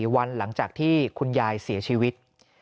วันหลังจากที่คุณยายเสียชีวิต